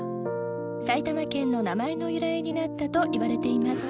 埼玉県の名前の由来になったといわれています。